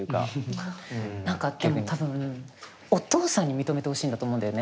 何かでも多分お父さんに認めてほしいんだと思うんだよね。